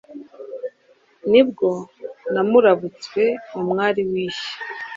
nibwo namurabutswe umwari w'ishya!